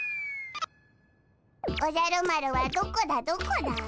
おじゃる丸はどこだどこだ？